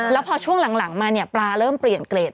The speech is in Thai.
แล้วพอช่วงหลังมาเนี่ยปลาเริ่มเปลี่ยนเกรด